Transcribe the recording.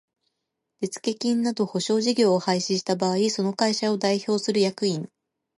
手付金等保証事業を廃止した場合その会社を代表する役員